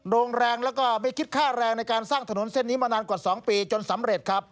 โรงแรงแล้วก็ไม่คิดค่าแรงในการสร้างถนนเส้นนี้มานานกว่า๒ปีจนสำเร็จครับ